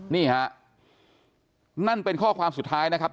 นี่ฮะนั่นเป็นข้อความสุดท้ายนะครับ